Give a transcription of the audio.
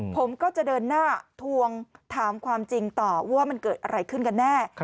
ผมก็จะเดินหน้าทวงถามความจริงต่อว่ามันเกิดอะไรขึ้นกันแน่